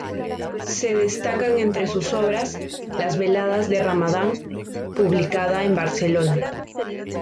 Se destacan entre sus obras "Las Veladas de Ramadán", publicada en Barcelona.